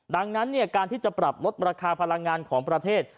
ดังนั้นการที่จะปรับลดราคาพลังงานของประเทศ